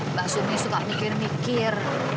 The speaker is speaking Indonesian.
mbak sumi suka mikir mikir